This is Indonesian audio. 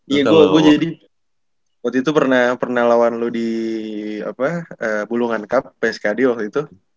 iya gue jadi waktu itu pernah lawan lo di bulungan cup pskd waktu itu